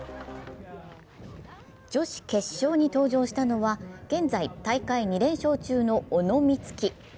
女子決勝に登場したのは現在大会２連勝中の小野光希。